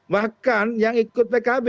bahkan yang ikut pkb